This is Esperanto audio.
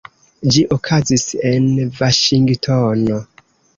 Ĝi okazis en Vaŝingtono.